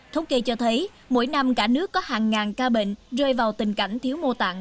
thống kê cho thấy mỗi năm cả nước có hàng ngàn ca bệnh rơi vào tình cảnh thiếu mô tạng